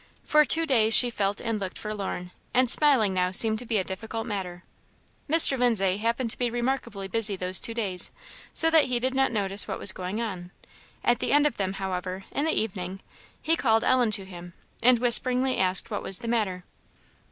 For two days she felt and looked forlorn; and smiling now seemed to be a difficult matter. Mr. Lindsay happened to be remarkably busy those two days, so that he did not notice what was going on. At the end of them, however, in the evening, he called Ellen to him, and whisperingly asked what was the matter.